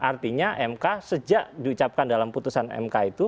artinya mk sejak diucapkan dalam putusan mk itu